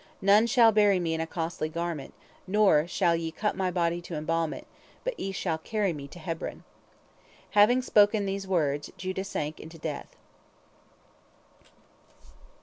None shall bury me in a costly garment, nor shall ye cut my body to embalm it, but ye shall carry me to Hebron." Having spoken these words, Judah sank into death.